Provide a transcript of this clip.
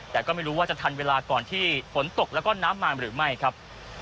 แต่ก็ไม่รู้ว่าจะทันเวลาก่อนที่ฝนตกแล้วก็น้ำมาหรือไม่ครับ